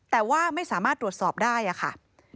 แต่ว่าไม่สามารถตรวจสอบได้ค่ะ